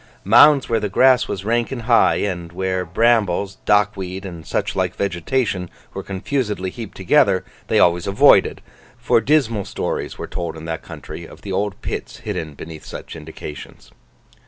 Mounds where the grass was rank and high, and where brambles, dock weed, and such like vegetation, were confusedly heaped together, they always avoided; for dismal stories were told in that country of the old pits hidden beneath such indications.